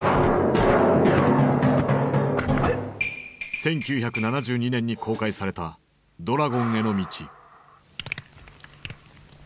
１９７２年に公開された「ドラゴンへの道」。